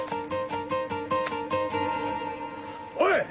おい！